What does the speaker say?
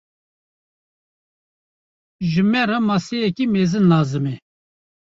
Ji me re maseyeke mezin lazim e.